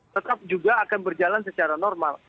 tetap juga akan berjalan secara normal